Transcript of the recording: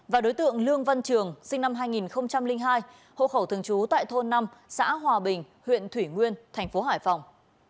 và đối tượng lương văn trường sinh năm hai nghìn hai hộ khẩu thường trú tại thôn năm xã hòa bình huyện thủy nguyên thành phố hải phòng